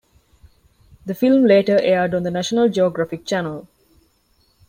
The film later aired on the National Geographic Channel.